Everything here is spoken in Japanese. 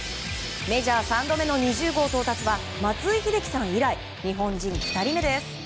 メジャー３度目の２０号到達は松井秀喜さん以来日本人２人目です。